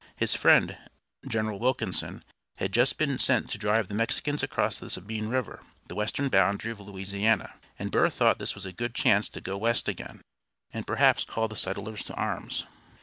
His friend, General Wilkinson, had just been sent to drive the Mexicans across the Sabine River, the western boundary of Louisiana, and Burr thought this was a good chance to go west again, and perhaps call the settlers to arms.